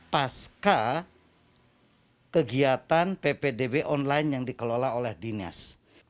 pasca kegiatan ppdb online yang dikelola oleh dinas